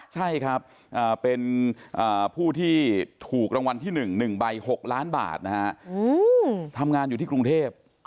ใช่ครับเป็นผู้ที่ถูกรางวัลที่๑๑ใบ๖ล้านบาทนะฮะทำงานอยู่ที่กรุงเทพ